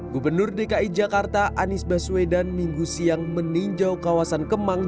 gubernur dki jakarta anies baswedan minggu siang meninjau kawasan kemang